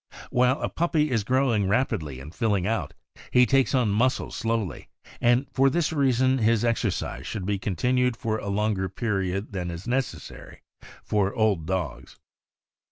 While a puppy is growing rapidly and filling out, he takes on muscle slowly, and for this reason his exercise should be continued for a longer period than is necessary for old dogs.